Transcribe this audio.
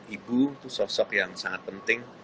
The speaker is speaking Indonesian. ibu itu sosok yang sangat penting